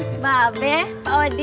mbak be pak wadi